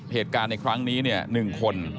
เหตุการณ์ในครั้งนี้๑คน